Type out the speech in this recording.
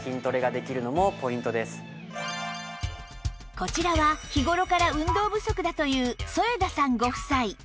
こちらは日頃から運動不足だという添田さんご夫妻